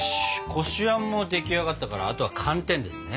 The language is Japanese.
こしあんも出来上がったからあとは寒天ですね。